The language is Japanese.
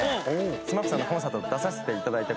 ＳＭＡＰさんのコンサートに出させて頂いた事があって。